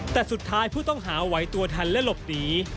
แต่สุดท้ายผู้ต้องหาไหวตัวทันและหลบหนี